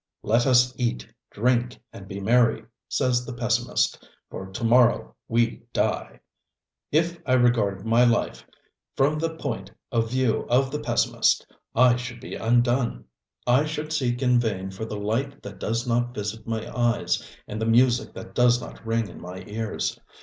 ŌĆ£Let us eat, drink and be merry, ŌĆØ says the pessimist, ŌĆ£for to morrow we die. ŌĆØ If I regarded my life from the point of view of the pessimist, I should be undone. I should seek in vain for the light that does not visit my eyes and the music that does not ring in my ears.